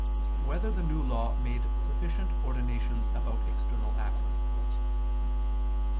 2] Whether the New Law Made Sufficient Ordinations About External Acts?